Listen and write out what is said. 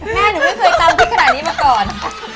หนูไม่เคยตำพริกขนาดนี้มาก่อน